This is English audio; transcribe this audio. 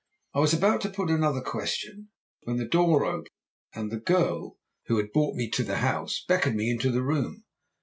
"I was about to put another question when the door opened and the girl who had brought me to the house beckoned me into the room.